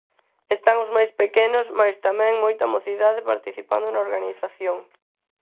Están os máis pequenos, mais tamén moita mocidade participando na organización.